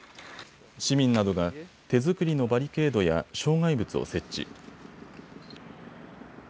市民などが手作りのバリケードや障害物を設置。